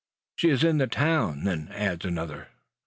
"She is in the town, then," adds another.